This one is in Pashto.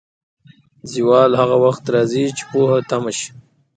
زوال هغه وخت راځي، چې پوهه تم شي.